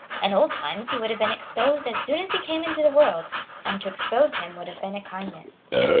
In old times he would have been exposed as soon as he came into the world; and to expose him would have been a kindness.